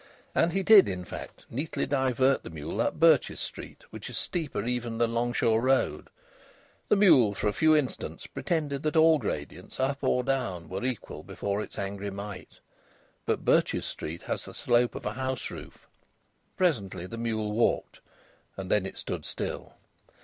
And he did in fact neatly divert the mule up Birches Street, which is steeper even than Longshaw Road. The mule for a few instants pretended that all gradients, up or down, were equal before its angry might. But Birches Street has the slope of a house roof. Presently the mule walked, and then it stood still.